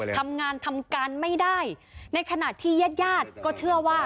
ทำงานทำการไม่ได้ในขณะที่ญาติญาติก็เชื่อว่า